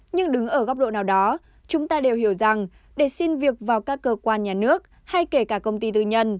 nhưng đứng ở góc độ nào đó chúng ta đều hiểu rằng để xin việc vào các cơ quan nhà nước hay kể cả công ty tư nhân